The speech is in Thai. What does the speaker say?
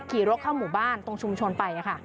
ขี่รถเข้าหมู่บ้านตรงชุมชนไป